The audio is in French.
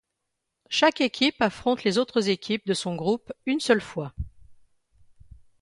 Chaque équipe affronte les autres équipes de son groupe une seule fois.